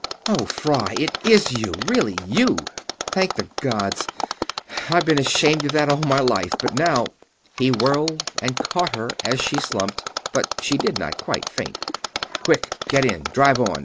"Oh, Fry! It is you! Really you! Thank the gods! I've been ashamed of that all my life, but now...." He whirled and caught her as she slumped, but she did not quite faint. "Quick! Get in ... drive on